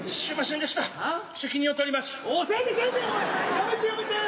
やめてやめて。